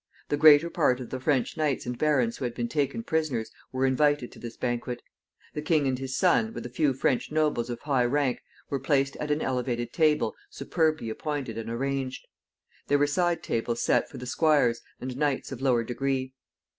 The greater part of the French knights and barons who had been taken prisoners were invited to this banquet. The king and his son, with a few French nobles of high rank, were placed at an elevated table superbly appointed and arranged. There were side tables set for the squires and knights of lower degree.